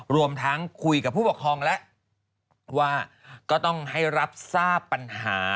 รวมทั้งคุยกับผู้ปกครองแล้วว่าก็ต้องให้รับทราบปัญหา